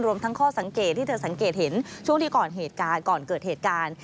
รวมทั้งข้อสังเกตที่เธอสังเกตเห็นช่วงที่ก่อนเกิดเหตุการณ์